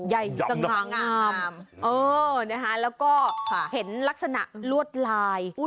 สง่างามแล้วก็เห็นลักษณะลวดลาย